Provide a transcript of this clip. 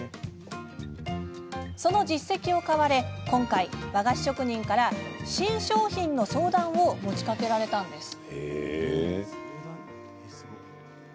その実績を買われ、今回和菓子職人から新商品の相談を持ちかけられたのです。